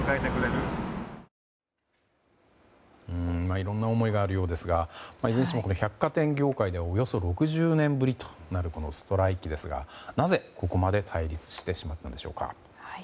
いろんな思いがあるようですがいずれにしても百貨店業界ではおよそ６０年ぶりとなるこのストライキですがなぜここまで対立してしまったのでしょうか。